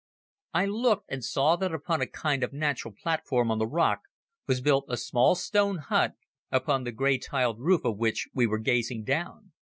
I looked and saw that upon a kind of natural platform on the rock was built a small stone hut, upon the grey tiled roof of which we were gazing down.